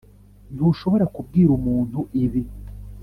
ntushobora kubwira umuntu, ibi?